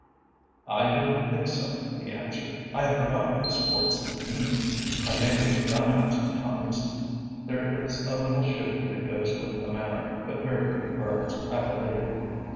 "I do not think so," he answered. "I have forgotten what sports mean. I may take a gun out sometimes. There is a little shooting that goes with the Manor, but very few birds, I believe.